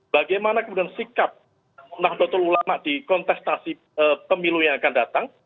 bagaimana kemudian sikap nahdlatul ulama di kontestasi pemilu yang akan datang